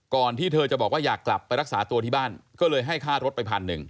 ที่เธอจะบอกว่าอยากกลับไปรักษาตัวที่บ้านก็เลยให้ค่ารถไปพันหนึ่ง